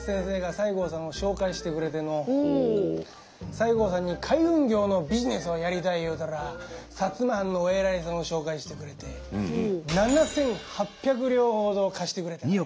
西郷さんに海運業のビジネスをやりたい言うたら摩藩のお偉いさんを紹介してくれて７，８００両ほど貸してくれたがよ。